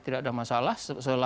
tidak ada masalah